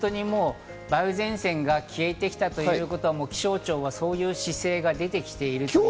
梅雨前線が消えてきたということは気象庁はそういう姿勢が出てきている。